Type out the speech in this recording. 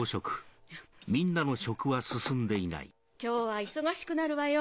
今日は忙しくなるわよ。